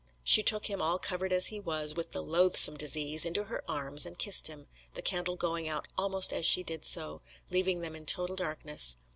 She took him, all covered as he was with the loathsome disease, into her arms and kissed him, the candle going out almost as she did so, leaving them in total darkness.